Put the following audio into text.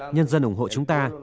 nhân dân ủng hộ chúng ta